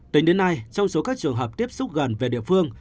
tính đến nay trong số các trường hợp tiếp xúc gần về địa phương